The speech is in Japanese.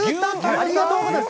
ありがとうございます。